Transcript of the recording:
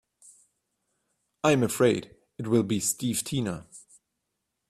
I'm afraid it'll be Steve Tina.